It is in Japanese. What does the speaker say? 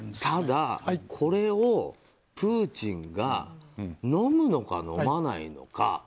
ただ、これをプーチンがのむのか、のまないのか。